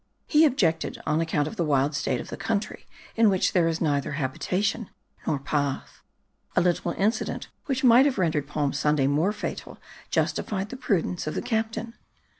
He objected on account of the wild state of the country in which there is neither habitation nor path. A little incident which might have rendered Palm Sunday more fatal justified the prudence of the captain.